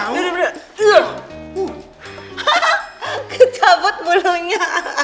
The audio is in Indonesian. gak cabut bulunya